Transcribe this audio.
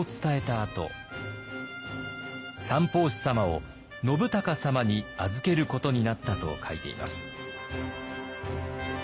あと「三法師様を信孝様に預けることになった」と書いています。